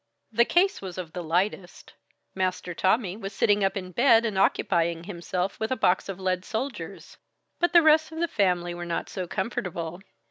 The case was of the lightest; Master Tommy was sitting up in bed and occupying himself with a box of lead soldiers. But the rest of the family were not so comfortable.